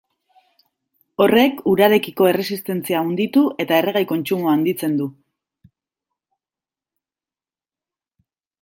Horrek urarekiko erresistentzia handitu eta erregai kontsumoa handitzen du.